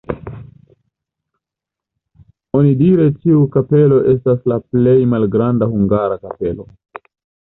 Onidire tiu kapelo estas la plej malgranda hungara kapelo.